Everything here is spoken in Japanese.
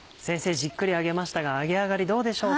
じっくり揚げましたが揚げ上がりどうでしょうか？